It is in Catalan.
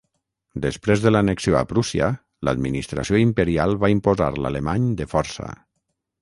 Després de l'annexió a Prússia, l'administració imperial va imposar l'alemany de força.